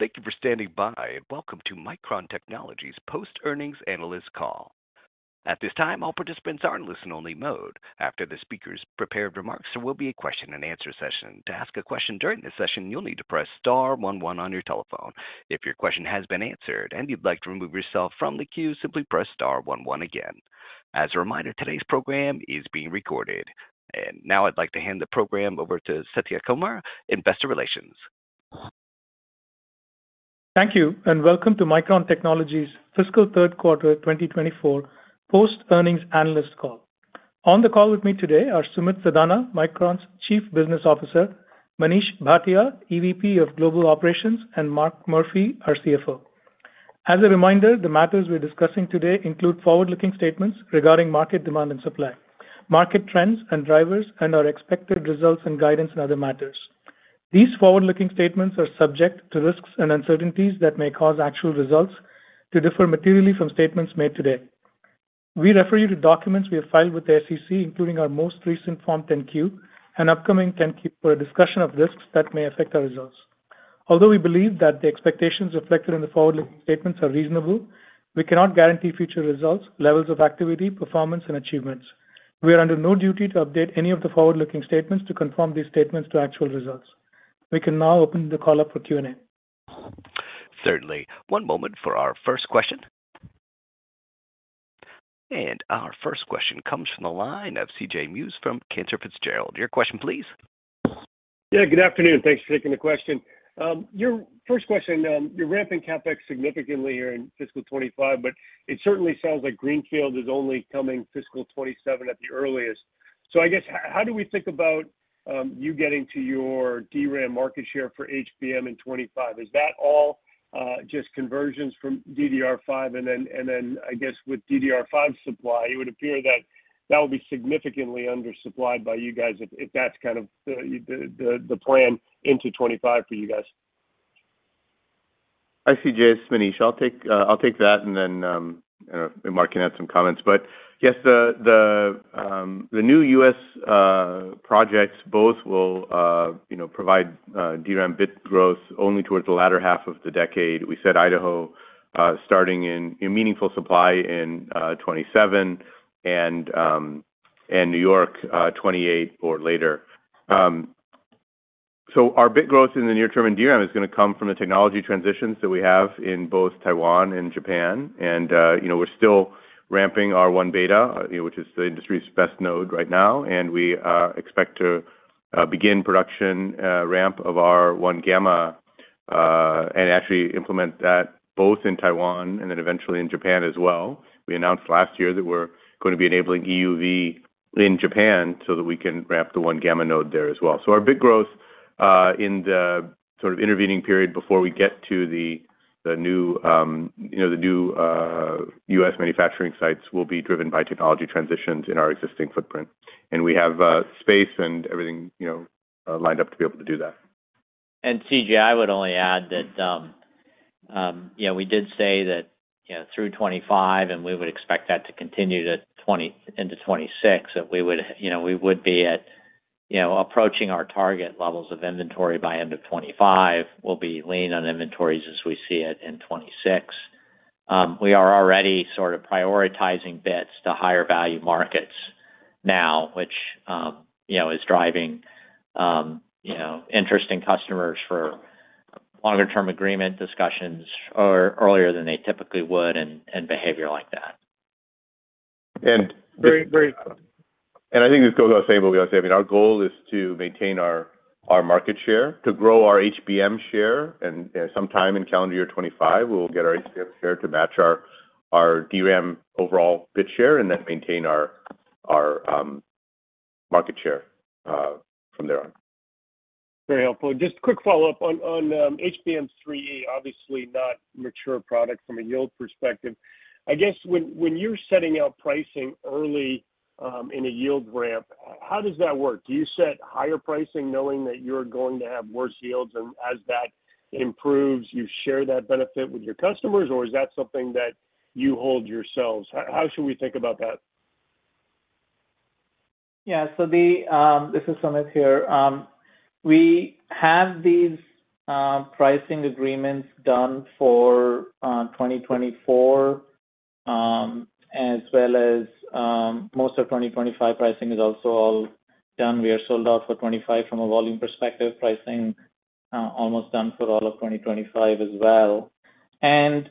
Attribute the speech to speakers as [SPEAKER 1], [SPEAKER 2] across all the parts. [SPEAKER 1] Thank you for standing by, and welcome to Micron Technology's post-earnings analyst call. At this time, all participants are in listen-only mode. After the speaker's prepared remarks, there will be a question-and-answer session. To ask a question during this session, you'll need to press star one one on your telephone. If your question has been answered and you'd like to remove yourself from the queue, simply press star one one again. As a reminder, today's program is being recorded. Now I'd like to hand the program over to Satya Kumar, Investor Relations.
[SPEAKER 2] Thank you, and welcome to Micron Technology's fiscal third quarter 2024 post-earnings analyst call. On the call with me today are Sumit Sadana, Micron's Chief Business Officer; Manish Bhatia, EVP of Global Operations; and Mark Murphy, our CFO. As a reminder, the matters we're discussing today include forward-looking statements regarding market demand and supply, market trends and drivers, and our expected results and guidance and other matters. These forward-looking statements are subject to risks and uncertainties that may cause actual results to differ materially from statements made today. We refer you to documents we have filed with the SEC, including our most recent Form 10-Q and upcoming 10-Q, for a discussion of risks that may affect our results. Although we believe that the expectations reflected in the forward-looking statements are reasonable, we cannot guarantee future results, levels of activity, performance, and achievements. We are under no duty to update any of the forward-looking statements to conform these statements to actual results. We can now open the call up for Q&A.
[SPEAKER 1] Certainly. One moment for our first question. Our first question comes from the line of C.J. Muse from Cantor Fitzgerald. Your question, please.
[SPEAKER 3] Yeah, good afternoon. Thanks for taking the question. Your first question, you're ramping CapEx significantly here in fiscal 2025, but it certainly sounds like greenfield is only coming fiscal 2027 at the earliest. So I guess, how do we think about you getting to your DRAM market share for HBM in 2025? Is that all just conversions from DDR5? And then I guess with DDR5 supply, it would appear that that will be significantly undersupplied by you guys if that's kind of the plan into 2025 for you guys.
[SPEAKER 4] Hi, C.J., it's Manish. I'll take that, and then Mark can add some comments. But yes, the new U.S. projects both will, you know, provide DRAM bit growth only towards the latter half of the decade. We said Idaho starting in meaningful supply in 2027, and New York 2028 or later. So our bit growth in the near term in DRAM is gonna come from the technology transitions that we have in both Taiwan and Japan. And, you know, we're still ramping our 1-beta, you know, which is the industry's best node right now, and we expect to begin production ramp of our 1-gamma, and actually implement that both in Taiwan and then eventually in Japan as well. We announced last year that we're gonna be enabling EUV in Japan so that we can ramp the 1-gamma node there as well. So our bit growth in the sort of intervening period before we get to the new, you know, the new U.S. manufacturing sites will be driven by technology transitions in our existing footprint. And we have space and everything, you know, lined up to be able to do that.
[SPEAKER 5] C.J., I would only add that, you know, we did say that, you know, through 2025, and we would expect that to continue into 2026, that we would, you know, we would be at, you know, approaching our target levels of inventory by end of 2025. We'll be lean on inventories as we see it in 2026. We are already sort of prioritizing bits to higher value markets now, which, you know, is driving, you know, interesting customers for longer term agreement discussions earlier than they typically would and behavior like that.
[SPEAKER 4] And-
[SPEAKER 3] Very, very-
[SPEAKER 4] I think this goes without saying, but we gotta say, I mean, our goal is to maintain our market share, to grow our HBM share, and sometime in calendar year 2025, we will get our HBM share to match our DRAM overall bit share and then maintain our market share from there on.
[SPEAKER 3] Very helpful. Just a quick follow-up on, on, HBM3E, obviously not mature product from a yield perspective. I guess when, when you're setting out pricing early, in a yield ramp, how does that work? Do you set higher pricing knowing that you're going to have worse yields, and as that improves, you share that benefit with your customers, or is that something that you hold yourselves? How, how should we think about that?
[SPEAKER 6] Yeah. This is Sumit here. We have these pricing agreements done for 2024, as well as most of 2025 pricing is also all done. We are sold out for 2025 from a volume perspective, pricing almost done for all of 2025 as well. And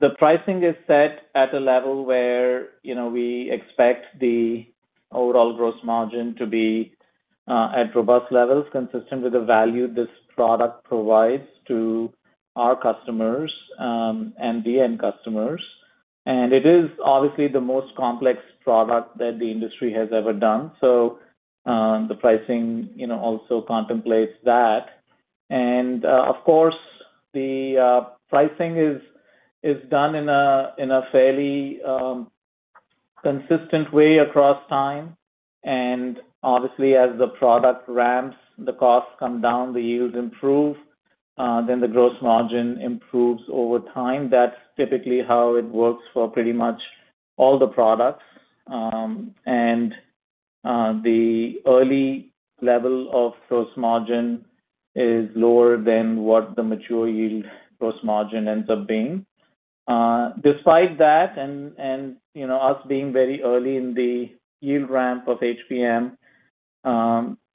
[SPEAKER 6] the pricing is set at a level where, you know, we expect the overall gross margin to be at robust levels, consistent with the value this product provides to our customers, and the end customers. And it is obviously the most complex product that the industry has ever done, so the pricing, you know, also contemplates that. And, of course, the pricing is done in a fairly consistent way across time. Obviously, as the product ramps, the costs come down, the yields improve, then the gross margin improves over time. That's typically how it works for pretty much all the products. The early level of gross margin is lower than what the mature yield gross margin ends up being. Despite that, you know, us being very early in the yield ramp of HBM,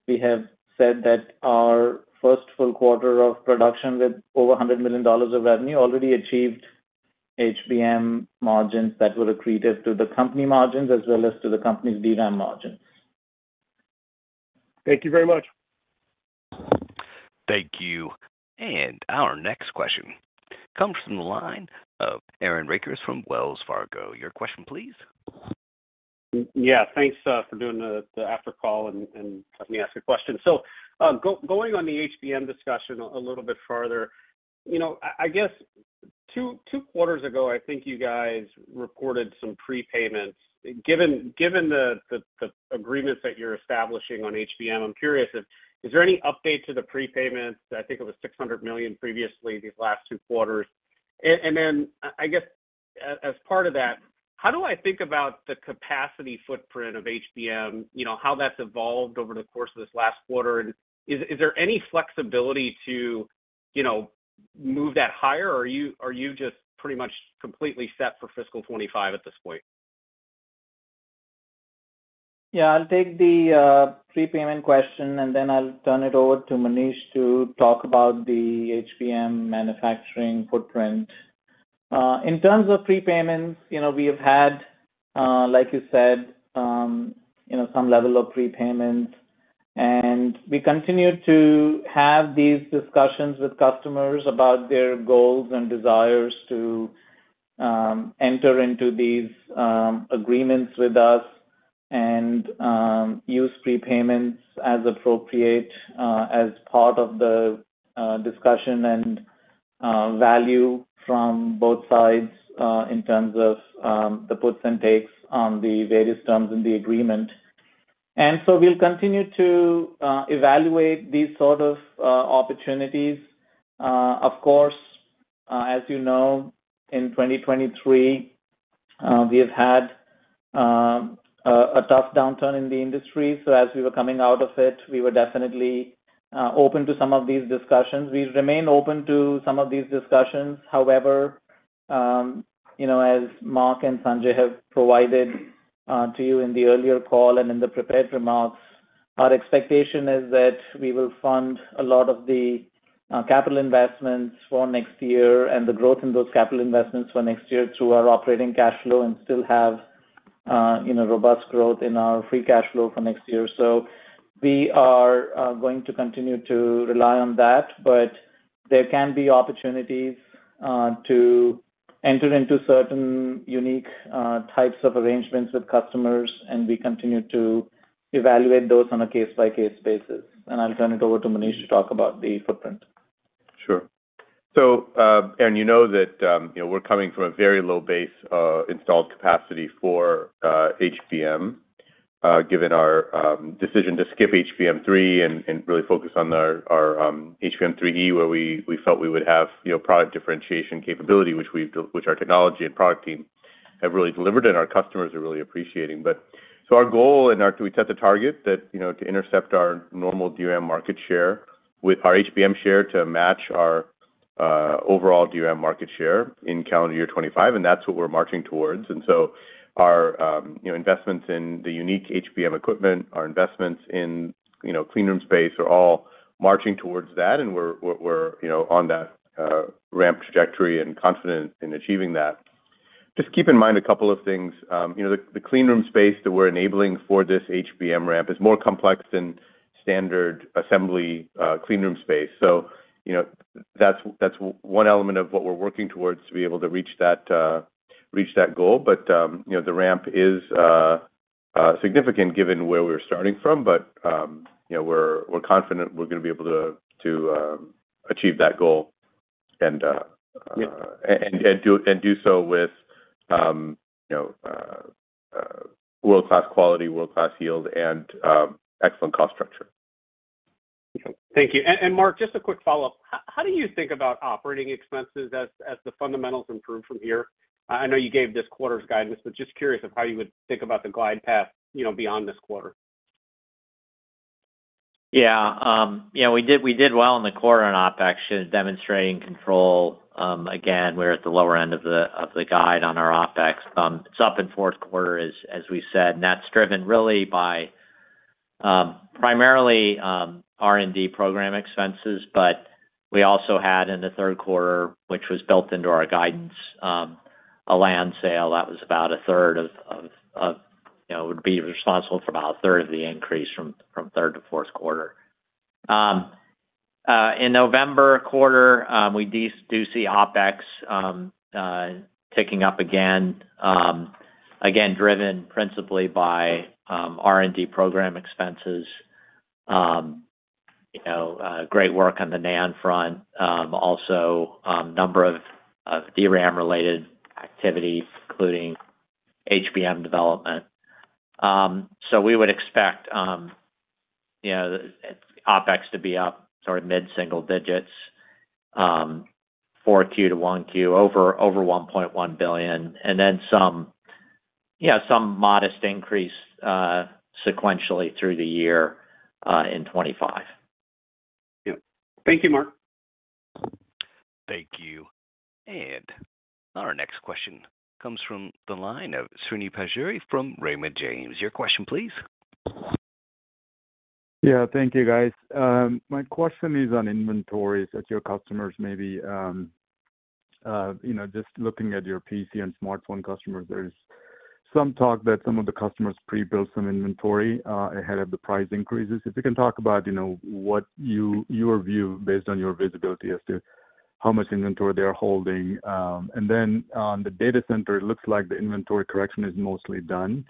[SPEAKER 6] we have said that our first full quarter of production with over $100 million of revenue already achieved HBM margins that were accretive to the company margins as well as to the company's DRAM margins.
[SPEAKER 3] Thank you very much.
[SPEAKER 1] Thank you. Our next question comes from the line of Aaron Rakers from Wells Fargo. Your question, please.
[SPEAKER 7] Yeah, thanks, for doing the after call and letting me ask a question. So, going on the HBM discussion a little bit farther, you know, I guess two quarters ago, I think you guys reported some prepayments. Given the agreements that you're establishing on HBM, I'm curious if, is there any update to the prepayments? I think it was $600 million previously, these last two quarters. And then, I guess as part of that, how do I think about the capacity footprint of HBM, you know, how that's evolved over the course of this last quarter? And is there any flexibility to, you know, move that higher, or are you just pretty much completely set for fiscal 2025 at this point?
[SPEAKER 6] Yeah, I'll take the prepayment question, and then I'll turn it over to Manish to talk about the HBM manufacturing footprint. In terms of prepayments, you know, we have had, like you said, you know, some level of prepayment. We continue to have these discussions with customers about their goals and desires to enter into these agreements with us and use prepayments as appropriate, as part of the discussion and value from both sides, in terms of the puts and takes on the various terms in the agreement. So we'll continue to evaluate these sort of opportunities. Of course, as you know, in 2023, we have had a tough downturn in the industry. So as we were coming out of it, we were definitely open to some of these discussions. We remain open to some of these discussions. However, you know, as Mark and Sanjay have provided to you in the earlier call and in the prepared remarks, our expectation is that we will fund a lot of the capital investments for next year and the growth in those capital investments for next year through our operating cash flow and still have, you know, robust growth in our free cash flow for next year. So we are going to continue to rely on that, but there can be opportunities to enter into certain unique types of arrangements with customers, and we continue to evaluate those on a case-by-case basis. And I'll turn it over to Manish to talk about the footprint.
[SPEAKER 4] Sure. So, and you know that, you know, we're coming from a very low base, installed capacity for HBM, given our decision to skip HBM3 and really focus on our HBM3E, where we felt we would have, you know, product differentiation capability, which our technology and product team have really delivered, and our customers are really appreciating. But so our goal and our—we set the target that, you know, to intercept our normal DRAM market share with our HBM share to match our overall DRAM market share in calendar year 2025, and that's what we're marching towards. And so our, you know, investments in the unique HBM equipment, our investments in, you know, clean room space are all marching towards that, and we're, you know, on that ramp trajectory and confident in achieving that. Just keep in mind a couple of things. You know, the clean room space that we're enabling for this HBM ramp is more complex than standard assembly clean room space. So, you know, that's one element of what we're working towards to be able to reach that goal. But, you know, the ramp is significant given where we're starting from. But, you know, we're confident we're gonna be able to achieve that goal and Yeah. and do so with, you know, world-class quality, world-class yield, and excellent cost structure.
[SPEAKER 7] Thank you. Mark, just a quick follow-up. How do you think about operating expenses as the fundamentals improve from here? I know you gave this quarter's guidance, but just curious of how you would think about the glide path, you know, beyond this quarter.
[SPEAKER 5] Yeah. You know, we did well in the quarter on OpEx, demonstrating control. Again, we're at the lower end of the guide on our OpEx. It's up in fourth quarter, as we said, and that's driven really by primarily R&D program expenses. But we also had, in the third quarter, which was built into our guidance, a land sale that was about a third of, you know, would be responsible for about a third of the increase from third to fourth quarter. In November quarter, we do see OpEx ticking up again, again, driven principally by R&D program expenses, you know, great work on the NAND front, also number of DRAM-related activities, including HBM development. So we would expect... You know, OpEx to be up sort of mid-single digits, 4Q to 1Q, over $1.1 billion, and then some, yeah, some modest increase sequentially through the year in 2025.
[SPEAKER 7] Yeah. Thank you, Mark.
[SPEAKER 1] Thank you. Our next question comes from the line of Srini Pajjuri from Raymond James. Your question, please?
[SPEAKER 8] Yeah, thank you, guys. My question is on inventories that your customers may be, you know, just looking at your PC and smartphone customers, there is some talk that some of the customers pre-built some inventory, ahead of the price increases. If you can talk about, you know, what your view based on your visibility as to how much inventory they are holding. And then on the data center, it looks like the inventory correction is mostly done.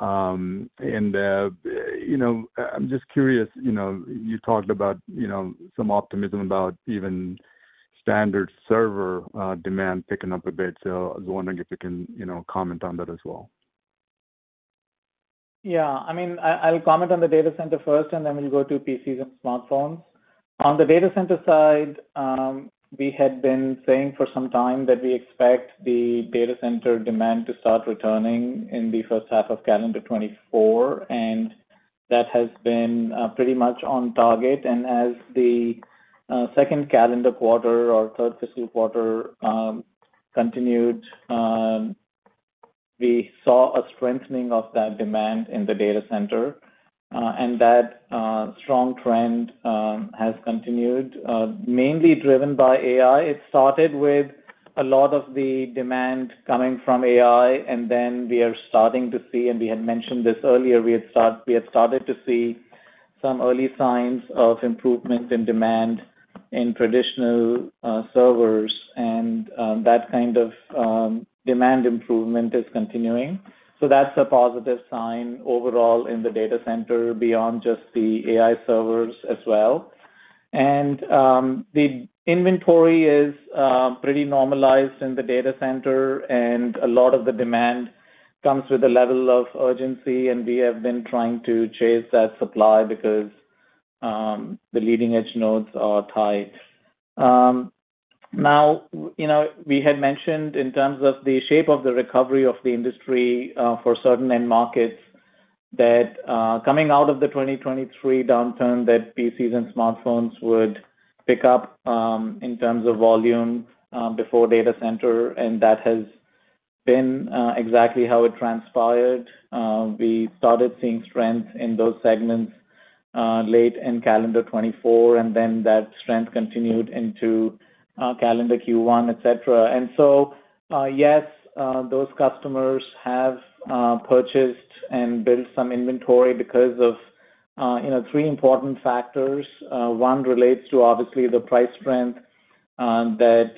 [SPEAKER 8] And, you know, I'm just curious, you know, you talked about, you know, some optimism about even standard server, demand picking up a bit. So I was wondering if you can, you know, comment on that as well.
[SPEAKER 6] Yeah. I mean, I, I'll comment on the data center first, and then we'll go to PCs and smartphones. On the data center side, we had been saying for some time that we expect the data center demand to start returning in the first half of calendar 2024, and that has been pretty much on target. And as the second calendar quarter or third fiscal quarter continued, we saw a strengthening of that demand in the data center, and that strong trend has continued, mainly driven by AI. It started with a lot of the demand coming from AI, and then we are starting to see, and we had mentioned this earlier, we had started to see some early signs of improvement in demand in traditional servers, and that kind of demand improvement is continuing. So that's a positive sign overall in the data center beyond just the AI servers as well. And, the inventory is, pretty normalized in the data center, and a lot of the demand comes with a level of urgency, and we have been trying to chase that supply because, the leading-edge nodes are tight. Now, you know, we had mentioned in terms of the shape of the recovery of the industry, for certain end markets, that, coming out of the 2023 downturn, that PCs and smartphones would pick up, in terms of volume, before data center, and that has been, exactly how it transpired. We started seeing strength in those segments, late in calendar 2024, and then that strength continued into, calendar Q1, et cetera. And so, yes, those customers have purchased and built some inventory because of, you know, three important factors. One relates to, obviously, the price trend, that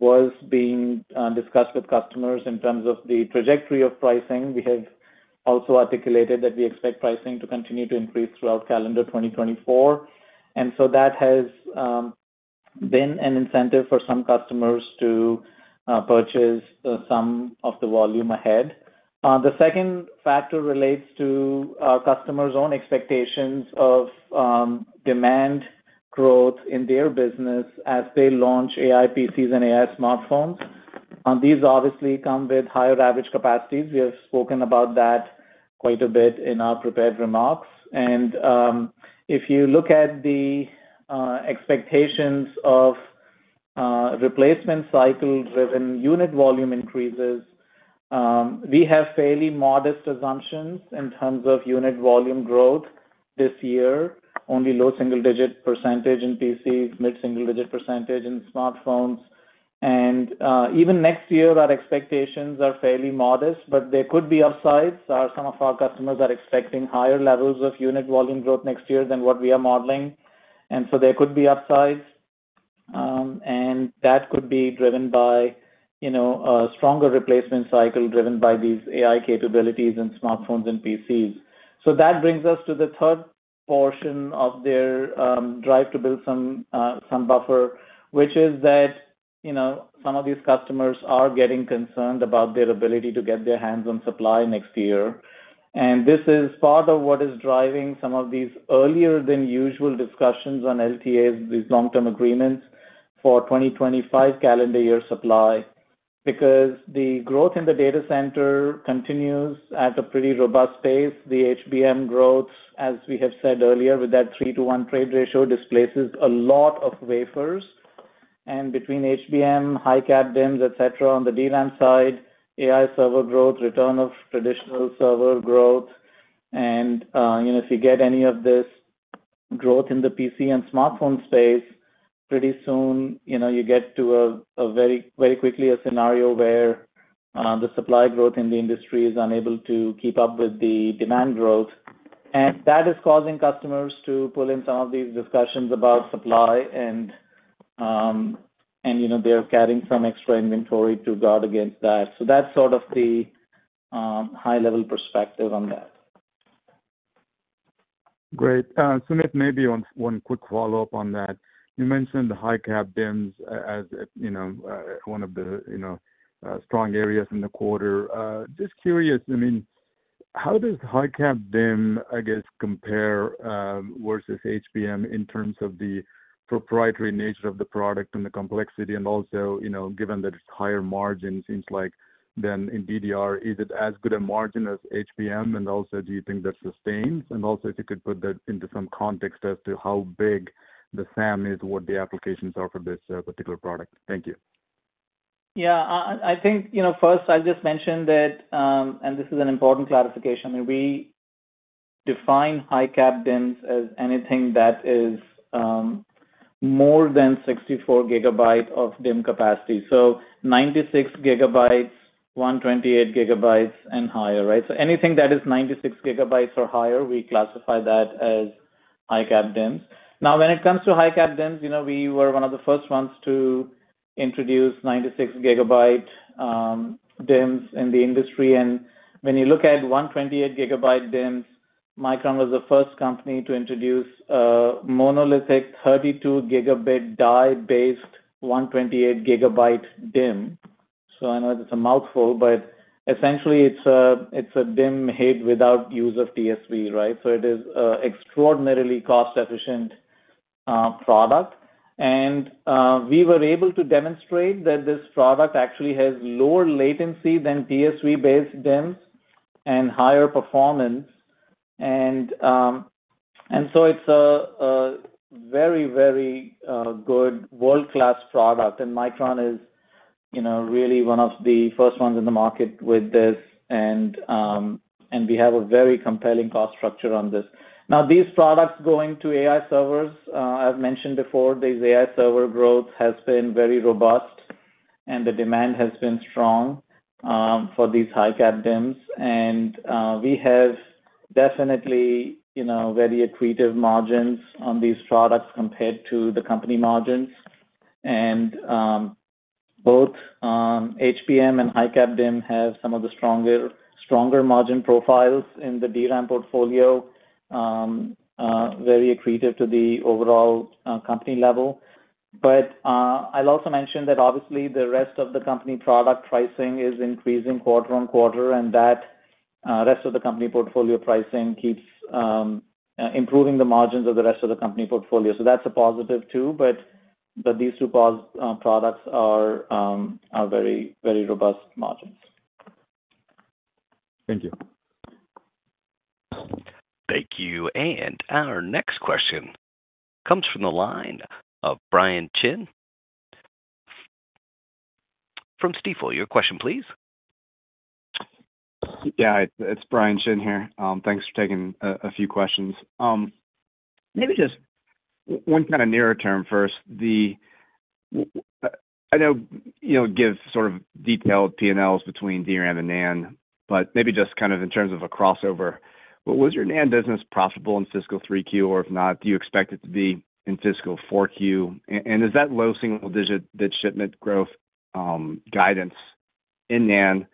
[SPEAKER 6] was being discussed with customers in terms of the trajectory of pricing. We have also articulated that we expect pricing to continue to increase throughout calendar 2024, and so that has been an incentive for some customers to purchase some of the volume ahead. The second factor relates to our customers' own expectations of demand growth in their business as they launch AI PCs and AI smartphones. These obviously come with higher average capacities. We have spoken about that quite a bit in our prepared remarks. If you look at the expectations of replacement cycle driven unit volume increases, we have fairly modest assumptions in terms of unit volume growth this year, only low single-digit % in PCs, mid-single-digit % in smartphones. Even next year, our expectations are fairly modest, but there could be upsides. Some of our customers are expecting higher levels of unit volume growth next year than what we are modeling, and so there could be upsides. And that could be driven by, you know, a stronger replacement cycle driven by these AI capabilities in smartphones and PCs. So that brings us to the third portion of their drive to build some buffer, which is that, you know, some of these customers are getting concerned about their ability to get their hands on supply next year. This is part of what is driving some of these earlier than usual discussions on LTAs, these long-term agreements, for 2025 calendar year supply. Because the growth in the data center continues at a pretty robust pace, the HBM growth, as we have said earlier, with that 3-to-1 trade ratio, displaces a lot of wafers. And between HBM, high-cap DIMMs, et cetera, on the DRAM side, AI server growth, return of traditional server growth, and, you know, if you get any of this growth in the PC and smartphone space, pretty soon, you know, you get to a, a very, very quickly a scenario where the supply growth in the industry is unable to keep up with the demand growth. That is causing customers to pull in some of these discussions about supply, and you know, they're carrying some extra inventory to guard against that. That's sort of the high-level perspective on that.
[SPEAKER 8] Great. Sumit, maybe one quick follow-up on that. You mentioned the high-cap DIMMs as, you know, one of the, you know, strong areas in the quarter. Just curious, I mean, how does high-cap DIMM, I guess, compare versus HBM in terms of the proprietary nature of the product and the complexity, and also, you know, given that it's higher margin, seems like than in DDR, is it as good a margin as HBM? And also, do you think that sustains? And also, if you could put that into some context as to how big the SAM is, what the applications are for this particular product. Thank you.
[SPEAKER 6] Yeah, I think, you know, first, I just mentioned that, and this is an important clarification, that we define high-cap DIMMs as anything that is more than 64GB of DIMM capacity, so 96GB, 128GB and higher, right? So anything that is 96GB or higher, we classify that as high-cap DIMMs. Now, when it comes to high-cap DIMMs, you know, we were one of the first ones to introduce 96GB DIMMs in the industry. And when you look at 128GB DIMMs, Micron was the first company to introduce a monolithic 32Gb die-based 128GB DIMM. So I know that's a mouthful, but essentially it's a DIMM without use of TSV, right? So it is an extraordinarily cost-efficient product. We were able to demonstrate that this product actually has lower latency than TSV-based DIMMs and higher performance. So it's a very, very good world-class product, and Micron is, you know, really one of the first ones in the market with this, and we have a very compelling cost structure on this. Now, these products going to AI servers, I've mentioned before, these AI server growth has been very robust, and the demand has been strong for these high-cap DIMMs. We have definitely, you know, very accretive margins on these products compared to the company margins. Both HBM and high-cap DIMM have some of the stronger, stronger margin profiles in the DRAM portfolio, very accretive to the overall company level. But, I'll also mention that obviously, the rest of the company product pricing is increasing quarter on quarter, and that rest of the company portfolio pricing keeps improving the margins of the rest of the company portfolio. So that's a positive too. But these two products are very, very robust margins.
[SPEAKER 8] Thank you.
[SPEAKER 1] Thank you. Our next question comes from the line of Brian Chin, from Stifel. Your question, please.
[SPEAKER 9] Yeah, it's Brian Chin here. Thanks for taking a few questions. Maybe just one kind of nearer term first. I know you know gives sort of detailed P&Ls between DRAM and NAND, but maybe just kind of in terms of a crossover, but was your NAND business profitable in fiscal 3Q? Or if not, do you expect it to be in fiscal 4Q? And is that low single digit bit shipment growth guidance in NAND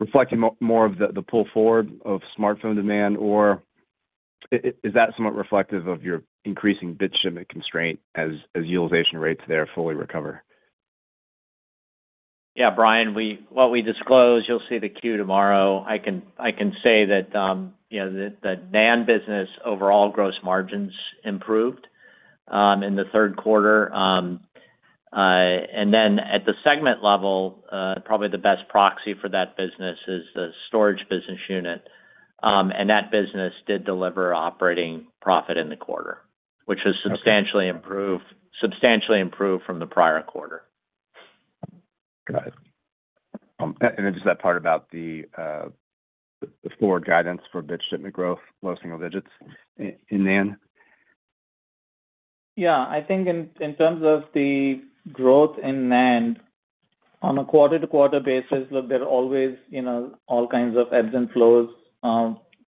[SPEAKER 9] reflecting more of the pull forward of smartphone demand? Or is that somewhat reflective of your increasing bit shipment constraint as utilization rates there fully recover?
[SPEAKER 5] Yeah, Brian, what we disclose, you'll see the Q tomorrow. I can say that, you know, the NAND business overall gross margins improved in the third quarter. And then at the segment level, probably the best proxy for that business is the Storage Business Unit. And that business did deliver operating profit in the quarter-
[SPEAKER 9] Okay.
[SPEAKER 5] which has substantially improved, substantially improved from the prior quarter.
[SPEAKER 9] Got it. And then just that part about the forward guidance for bit shipment growth, low single digits in NAND.
[SPEAKER 6] Yeah. I think in terms of the growth in NAND on a quarter-to-quarter basis, look, there are always, you know, all kinds of ebbs and flows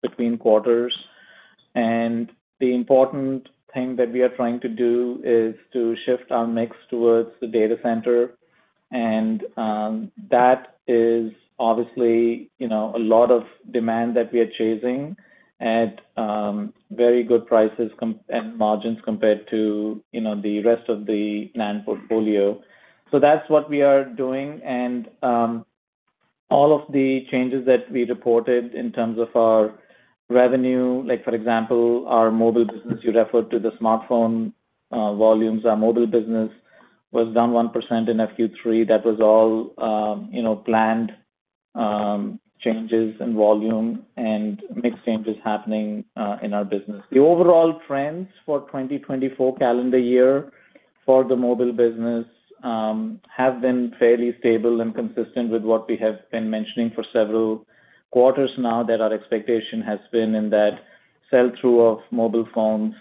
[SPEAKER 6] between quarters. And the important thing that we are trying to do is to shift our mix towards the data center. And that is obviously, you know, a lot of demand that we are chasing at very good prices and margins compared to, you know, the rest of the NAND portfolio. So that's what we are doing, and all of the changes that we reported in terms of our revenue, like for example, our mobile business, you referred to the smartphone volumes. Our mobile business was down 1% in FQ3. That was all, you know, planned changes in volume and mix changes happening in our business. The overall trends for 2024 calendar year for the mobile business have been fairly stable and consistent with what we have been mentioning for several quarters now, that our expectation has been in that sell-through of mobile phones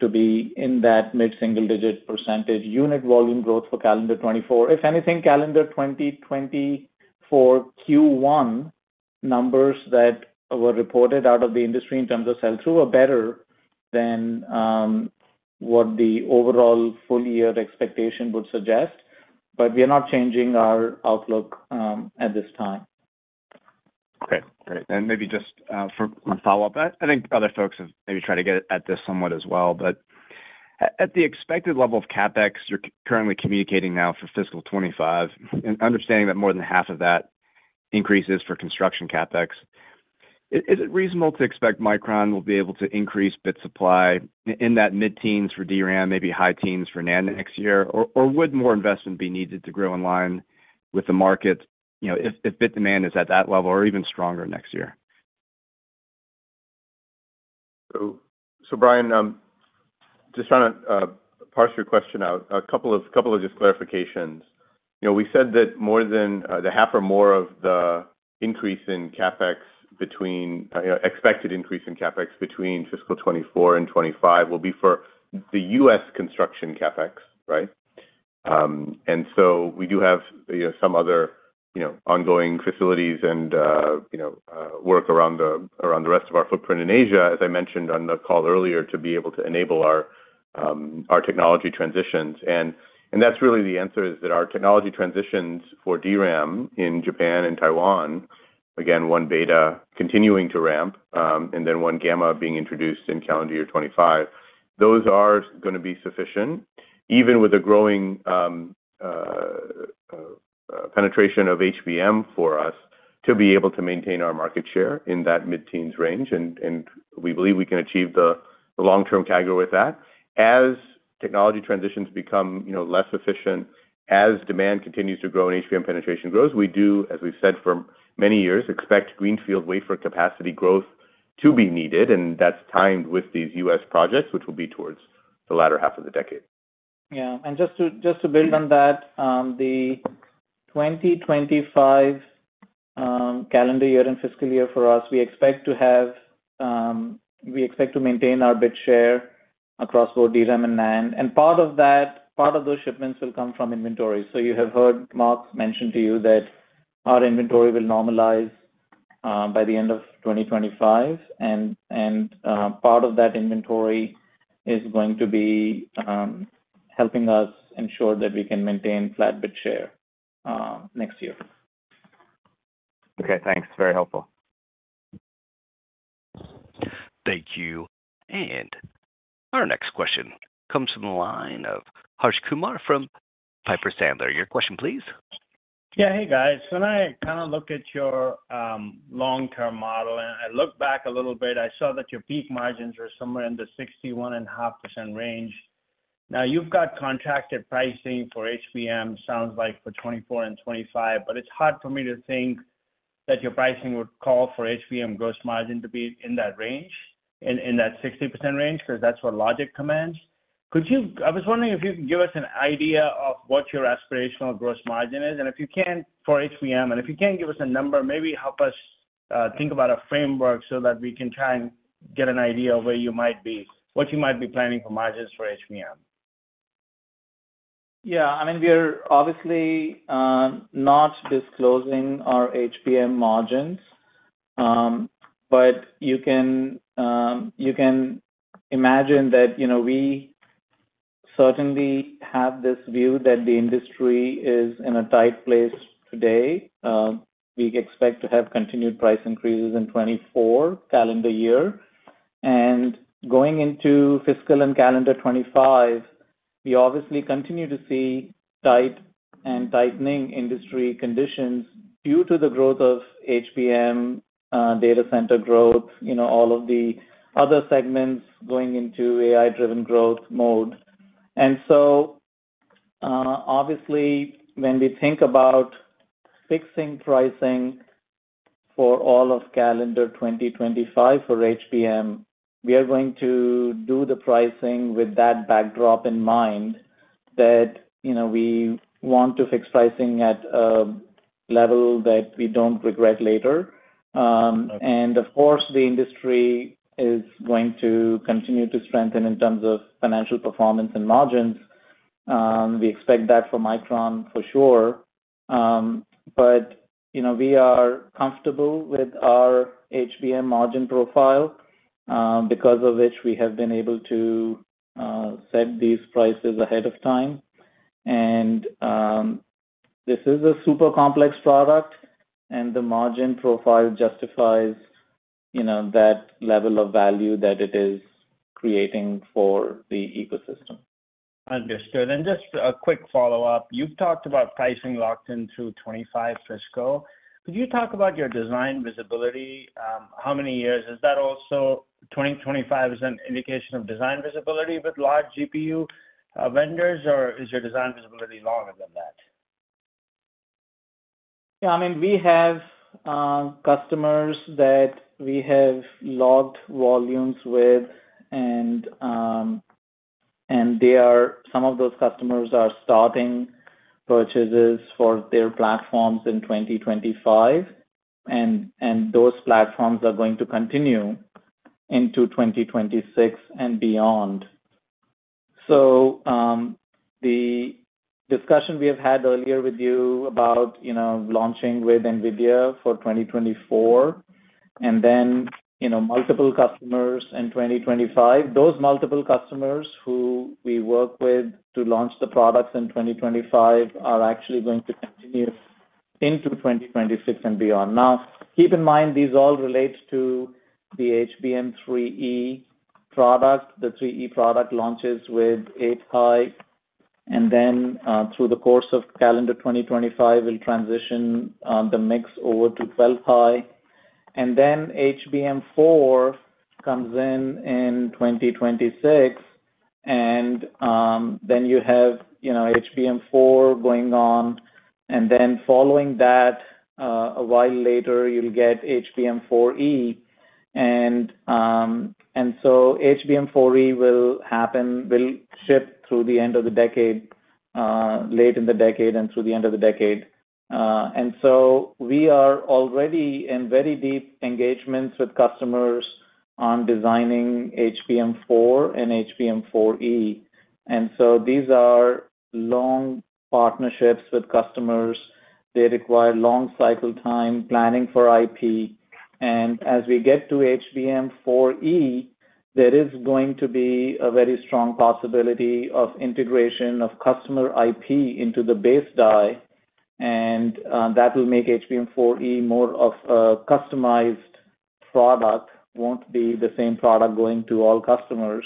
[SPEAKER 6] to be in that mid-single-digit % unit volume growth for calendar 2024. If anything, calendar 2024 Q1 numbers that were reported out of the industry in terms of sell-through are better than what the overall full year expectation would suggest. But we are not changing our outlook at this time.
[SPEAKER 9] Okay, great. Maybe just for one follow-up, I think other folks have maybe tried to get at this somewhat as well. At the expected level of CapEx, you're currently communicating now for fiscal 2025, and understanding that more than half of that increase is for construction CapEx, is it reasonable to expect Micron will be able to increase bit supply in that mid-teens% for DRAM, maybe high teens% for NAND next year? Or would more investment be needed to grow in line with the market, you know, if bit demand is at that level or even stronger next year?
[SPEAKER 4] So, Brian, just trying to parse your question out, a couple of just clarifications. You know, we said that more than the half or more of the increase in CapEx between expected increase in CapEx between fiscal 2024 and 2025 will be for the U.S. construction CapEx, right? And so we do have, you know, some other, you know, ongoing facilities and, you know, work around the rest of our footprint in Asia, as I mentioned on the call earlier, to be able to enable our technology transitions. And that's really the answer, is that our technology transitions for DRAM in Japan and Taiwan, again, 1β continuing to ramp, and then 1γ being introduced in calendar year 2025. Those are gonna be sufficient, even with a growing penetration of HBM for us to be able to maintain our market share in that mid-teens range. And we believe we can achieve the long-term CAGR with that. As technology transitions become, you know, less efficient, as demand continues to grow and HBM penetration grows, we do, as we've said for many years, expect greenfield wafer capacity growth to be needed, and that's timed with these U.S. projects, which will be towards the latter half of the decade.
[SPEAKER 6] Yeah, and just to, just to build on that, the 2025 calendar year and fiscal year for us, we expect to have, we expect to maintain our bit share across both DRAM and NAND. And part of that, part of those shipments will come from inventory. So you have heard Mark mention to you that our inventory will normalize, by the end of 2025, and part of that inventory is going to be helping us ensure that we can maintain flat bit share, next year.
[SPEAKER 9] Okay, thanks. Very helpful.
[SPEAKER 1] Thank you. And our next question comes from the line of Harsh Kumar from Piper Sandler. Your question, please.
[SPEAKER 10] Yeah. Hey, guys. When I kinda look at your long-term model, and I look back a little bit, I saw that your peak margins are somewhere in the 61.5% range. Now, you've got contracted pricing for HBM, sounds like for 2024 and 2025, but it's hard for me to think that your pricing would call for HBM gross margin to be in that range, in that 60% range, 'cause that's what logic commands. Could you give us an idea of what your aspirational gross margin is, and if you can, for HBM, and if you can't give us a number, maybe help us think about a framework so that we can try and get an idea of where you might be, what you might be planning for margins for HBM?
[SPEAKER 6] Yeah, I mean, we are obviously not disclosing our HBM margins. But you can, you can imagine that, you know, we certainly have this view that the industry is in a tight place today. We expect to have continued price increases in 2024 calendar year. And going into fiscal and calendar 2025, we obviously continue to see tight and tightening industry conditions due to the growth of HBM, data center growth, you know, all of the other segments going into AI-driven growth mode. And so, obviously, when we think about fixing pricing for all of calendar 2025 for HBM, we are going to do the pricing with that backdrop in mind, that, you know, we want to fix pricing at a level that we don't regret later. Of course, the industry is going to continue to strengthen in terms of financial performance and margins. We expect that for Micron, for sure. But, you know, we are comfortable with our HBM margin profile, because of which we have been able to set these prices ahead of time. This is a super complex product, and the margin profile justifies, you know, that level of value that it is creating for the ecosystem.
[SPEAKER 10] Understood. Just a quick follow-up. You've talked about pricing locked in through 2025 fiscal. Could you talk about your design visibility, how many years? Is that also 2025 as an indication of design visibility with large GPU vendors, or is your design visibility longer than that?
[SPEAKER 6] Yeah, I mean, we have customers that we have locked volumes with, and they are, some of those customers are starting purchases for their platforms in 2025, and those platforms are going to continue into 2026 and beyond. So, the discussion we have had earlier with you about, you know, launching with NVIDIA for 2024, and then, you know, multiple customers in 2025, those multiple customers who we work with to launch the products in 2025, are actually going to continue-... into 2026 and beyond. Now, keep in mind, these all relate to the HBM3E product. The HBM3E product launches with 8-high, and then, through the course of calendar 2025, we'll transition, the mix over to 12-high. And then HBM4 comes in in 2026, and then you have, you know, HBM4 going on, and then following that, a while later, you'll get HBM4E. And so HBM4E will happen, will ship through the end of the decade, late in the decade and through the end of the decade. And so we are already in very deep engagements with customers on designing HBM4 and HBM4E. And so these are long partnerships with customers. They require long cycle time, planning for IP. And as we get to HBM4E, there is going to be a very strong possibility of integration of customer IP into the base die, and, that will make HBM4E more of a customized product. Won't be the same product going to all customers,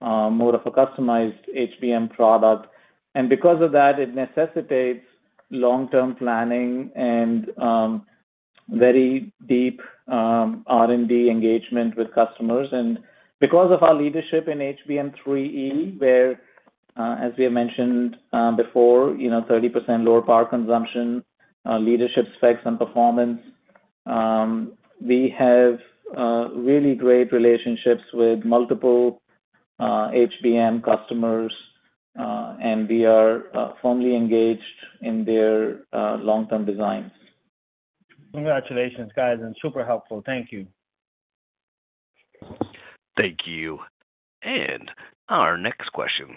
[SPEAKER 6] more of a customized HBM product. And because of that, it necessitates long-term planning and, very deep, R&D engagement with customers. And because of our leadership in HBM3E, where, as we have mentioned, before, you know, 30% lower power consumption, leadership specs and performance, we have, really great relationships with multiple, HBM customers, and we are, firmly engaged in their, long-term designs.
[SPEAKER 10] Congratulations, guys, and super helpful. Thank you.
[SPEAKER 1] Thank you. And our next question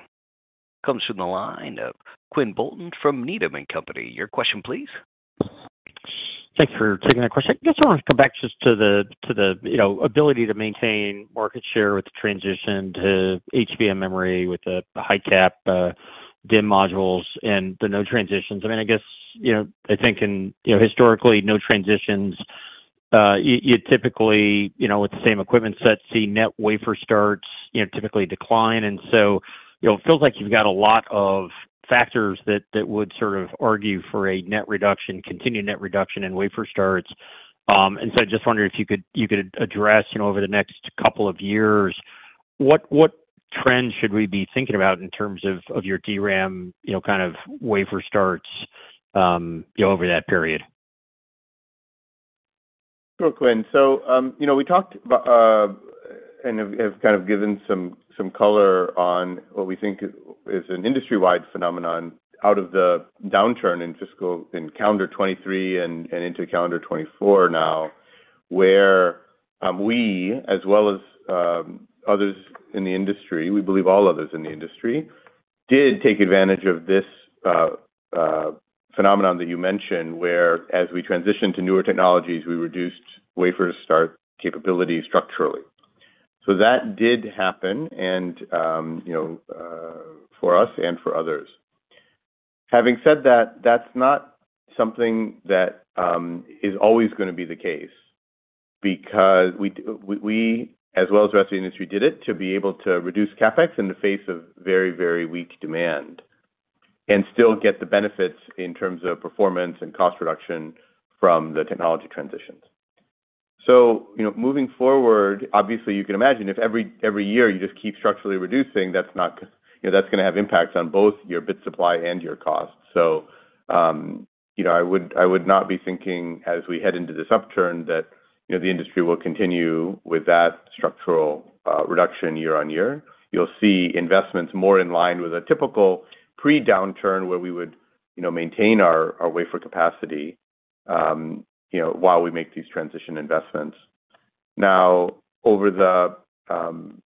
[SPEAKER 1] comes from the line of Quinn Bolton from Needham & Company. Your question, please.
[SPEAKER 11] Thanks for taking that question. Just want to go back just to the, to the, you know, ability to maintain market share with the transition to HBM memory, with the high-cap, DIMM modules and the node transitions. I mean, I guess, you know, I think in, you know, historically, node transitions, you typically, you know, with the same equipment set, see net wafer starts, you know, typically decline. And so, you know, it feels like you've got a lot of factors that, that would sort of argue for a net reduction, continued net reduction in wafer starts. And so I just wondered if you could, you could address, you know, over the next couple of years, what, what trends should we be thinking about in terms of, of your DRAM, you know, kind of wafer starts, over that period?
[SPEAKER 4] Sure, Quinn. So, you know, we talked about and have kind of given some color on what we think is an industry-wide phenomenon out of the downturn in fiscal in calendar 2023 and into calendar 2024 now, where we, as well as others in the industry, we believe all others in the industry, did take advantage of this phenomenon that you mentioned, where as we transitioned to newer technologies, we reduced wafer start capability structurally. So that did happen, and you know, for us and for others. Having said that, that's not something that is always gonna be the case, because we, as well as the rest of the industry, did it to be able to reduce CapEx in the face of very, very weak demand and still get the benefits in terms of performance and cost reduction from the technology transitions. So, you know, moving forward, obviously, you can imagine if every year you just keep structurally reducing, that's not, you know, that's gonna have impacts on both your bit supply and your cost. So, you know, I would not be thinking as we head into this upturn that, you know, the industry will continue with that structural reduction year-on-year. You'll see investments more in line with a typical pre-downturn, where we would, you know, maintain our wafer capacity, you know, while we make these transition investments. Now, over the,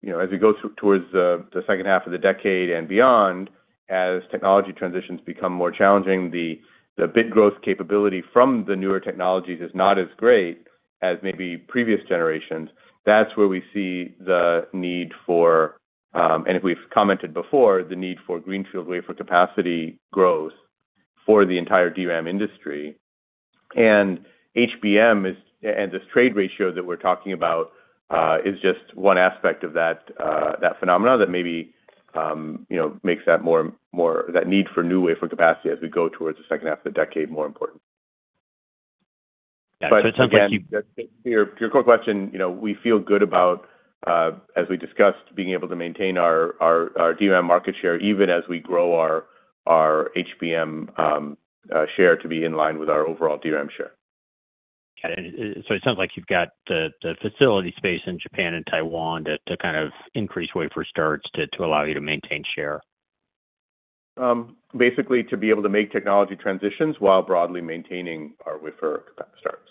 [SPEAKER 4] you know, as we go towards the second half of the decade and beyond, as technology transitions become more challenging, the bit growth capability from the newer technologies is not as great as maybe previous generations. That's where we see the need for, and we've commented before, the need for greenfield wafer capacity growth for the entire DRAM industry. And HBM is, and this trade ratio that we're talking about, is just one aspect of that, that phenomena that maybe, you know, makes that more, that need for new wafer capacity as we go towards the second half of the decade, more important.
[SPEAKER 11] Yeah, so it sounds like you-
[SPEAKER 4] To your quick question, you know, we feel good about, as we discussed, being able to maintain our DRAM market share, even as we grow our HBM share to be in line with our overall DRAM share.
[SPEAKER 11] Got it. So it sounds like you've got the facility space in Japan and Taiwan to kind of increase wafer starts to allow you to maintain share.
[SPEAKER 4] Basically, to be able to make technology transitions while broadly maintaining our wafer starts.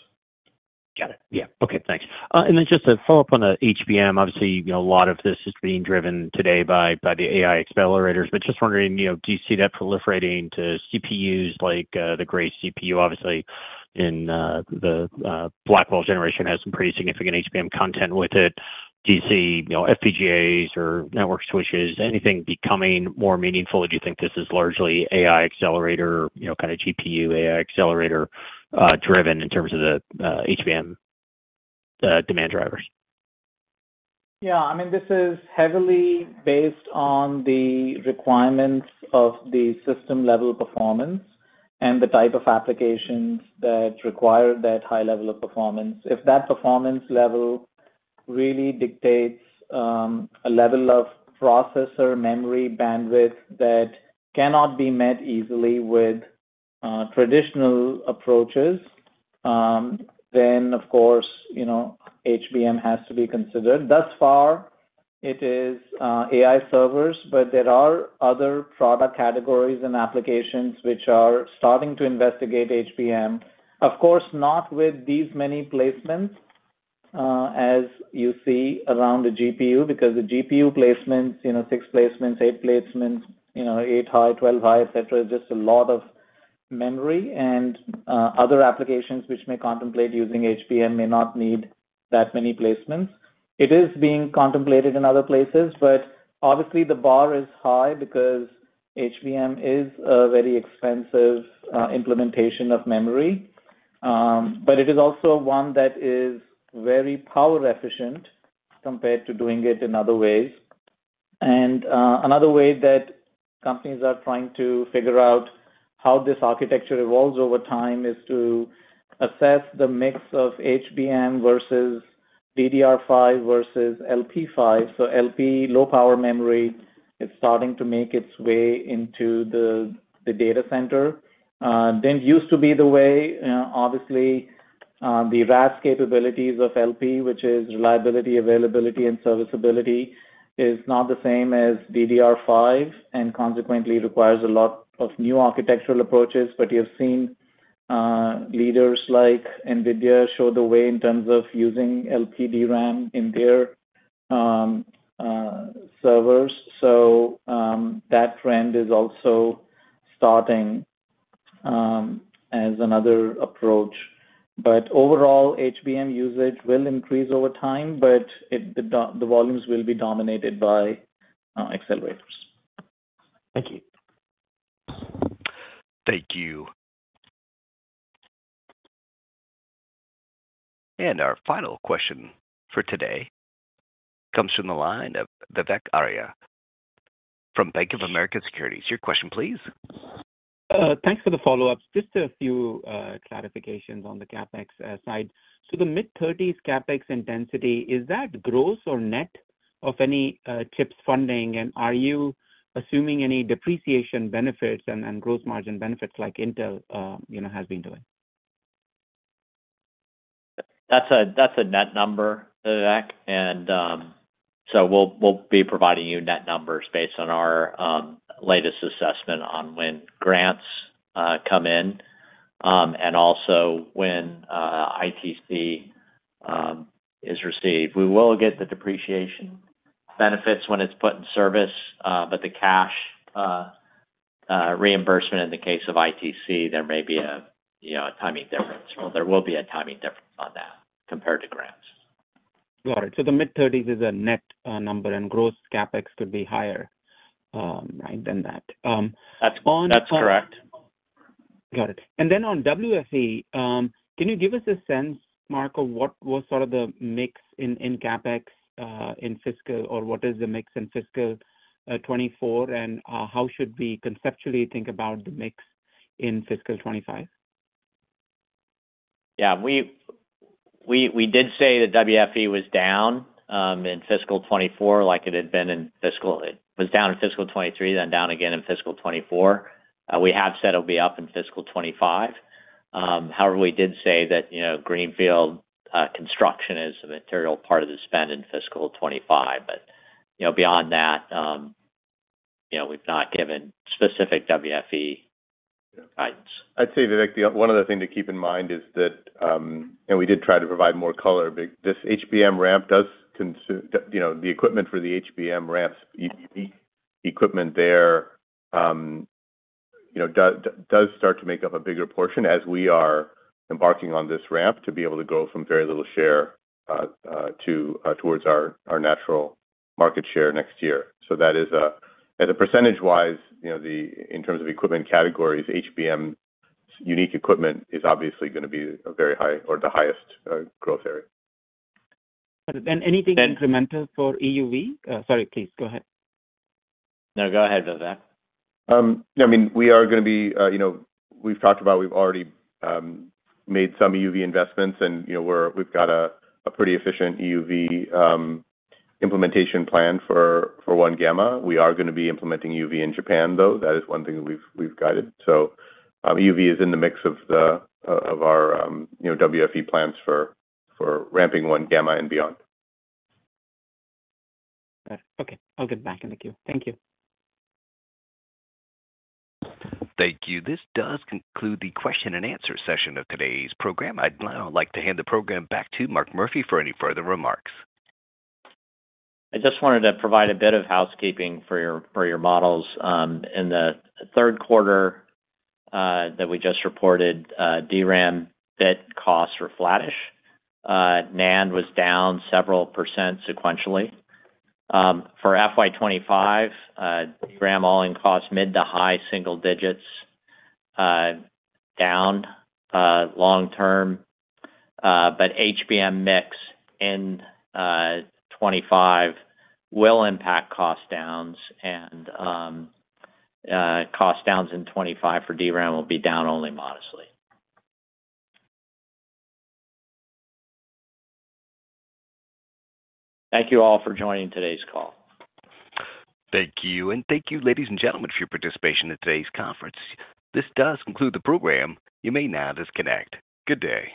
[SPEAKER 11] Got it. Yeah. Okay, thanks. And then just to follow up on the HBM, obviously, you know, a lot of this is being driven today by, by the AI accelerators, but just wondering, you know, do you see that proliferating to CPUs like, the Grace CPU, obviously? ...in the Blackwell generation has some pretty significant HBM content with it. Do you see, you know, FPGAs or network switches, anything becoming more meaningful, or do you think this is largely AI accelerator, you know, kind of GPU AI accelerator driven in terms of the HBM demand drivers?
[SPEAKER 6] Yeah, I mean, this is heavily based on the requirements of the system-level performance and the type of applications that require that high level of performance. If that performance level really dictates a level of processor memory bandwidth that cannot be met easily with traditional approaches, then, of course, you know, HBM has to be considered. Thus far, it is AI servers, but there are other product categories and applications which are starting to investigate HBM. Of course, not with these many placements, as you see around the GPU, because the GPU placements, you know, six placements, eight placements, you know, eight high, 12 high, et cetera, is just a lot of memory and other applications which may contemplate using HBM may not need that many placements. It is being contemplated in other places, but obviously the bar is high because HBM is a very expensive implementation of memory. But it is also one that is very power efficient compared to doing it in other ways. Another way that companies are trying to figure out how this architecture evolves over time is to assess the mix of HBM versus DDR5 versus LPDDR5. So LPDDR, low power memory, is starting to make its way into the data center. That used to be the way, obviously, the RAS capabilities of LPDDR, which is reliability, availability, and serviceability, is not the same as DDR5, and consequently requires a lot of new architectural approaches. But you've seen leaders like NVIDIA show the way in terms of using LPDRAM in their servers. So, that trend is also starting, as another approach. But overall, HBM usage will increase over time, but the volumes will be dominated by accelerators.
[SPEAKER 11] Thank you.
[SPEAKER 1] Thank you. Our final question for today comes from the line of Vivek Arya from Bank of America Securities. Your question, please.
[SPEAKER 12] Thanks for the follow-ups. Just a few clarifications on the CapEx side. So the mid-30s CapEx intensity, is that gross or net of any CHIPS funding? And are you assuming any depreciation benefits and gross margin benefits like Intel you know has been doing?
[SPEAKER 5] That's a net number, Vivek. So we'll be providing you net numbers based on our latest assessment on when grants come in and also when ITC is received. We will get the depreciation benefits when it's put in service, but the cash reimbursement in the case of ITC, there may be a, you know, a timing difference, or there will be a timing difference on that compared to grants.
[SPEAKER 12] Got it. So the mid-30s is a net number, and gross CapEx could be higher, right, than that.
[SPEAKER 5] That's correct.
[SPEAKER 12] Got it. And then on WFE, can you give us a sense, Mark, of what was sort of the mix in CapEx, in fiscal or what is the mix in fiscal 2024? And, how should we conceptually think about the mix in fiscal 2025?
[SPEAKER 5] Yeah, we did say that WFE was down in fiscal 2024, like it had been in fiscal... It was down in fiscal 2023, then down again in fiscal 2024. We have said it'll be up in fiscal 2025. However, we did say that, you know, greenfield construction is a material part of the spend in fiscal 2025. But, you know, beyond that, you know, we've not given specific WFE guidance.
[SPEAKER 4] I'd say, Vivek, the one other thing to keep in mind is that, and we did try to provide more color, but this HBM ramp does consist, you know, the equipment for the HBM ramps, equipment there, you know, does start to make up a bigger portion as we are embarking on this ramp to be able to go from very little share, to towards our, our natural market share next year. So that is, as a percentage-wise, you know, the, in terms of equipment categories, HBM unique equipment is obviously gonna be a very high or the highest, growth area.
[SPEAKER 12] Got it. Anything incremental for EUV? Sorry, please go ahead.
[SPEAKER 5] No, go ahead, Vivek. I mean, we are gonna be, you know, we've talked about, we've already made some EUV investments, and, you know, we've got a pretty efficient EUV implementation plan for 1-gamma. We are gonna be implementing EUV in Japan, though. That is one thing that we've guided. So, EUV is in the mix of our, you know, WFE plans for ramping 1-gamma and beyond.
[SPEAKER 12] Got it. Okay, I'll get back in the queue. Thank you.
[SPEAKER 1] Thank you. This does conclude the question and answer session of today's program. I'd now like to hand the program back to Mark Murphy for any further remarks.
[SPEAKER 5] I just wanted to provide a bit of housekeeping for your, for your models. In the third quarter that we just reported, DRAM bit costs were flattish. NAND was down several% sequentially. For FY 2025, DRAM all-in cost, mid- to high-single digits down, long term, but HBM mix in 25 will impact cost downs and, cost downs in 25 for DRAM will be down only modestly. Thank you all for joining today's call.
[SPEAKER 1] Thank you. Thank you, ladies and gentlemen, for your participation in today's conference. This does conclude the program. You may now disconnect. Good day.